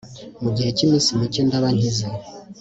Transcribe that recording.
mugihe cyiminsi mike ndaba nkize